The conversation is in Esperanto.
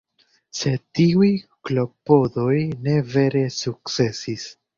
Sed tiuj klopodoj ne vere sukcesis.